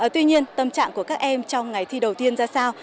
tuy nhiên tâm trạng của các em trong ngày thi đầu tiên ra sao